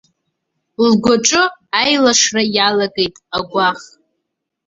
Лгәаҿы аилашра иалагеит агәаӷ.